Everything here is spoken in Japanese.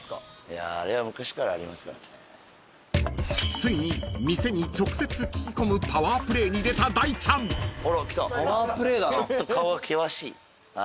［ついに店に直接聞き込むパワープレーに出た大ちゃん］え！？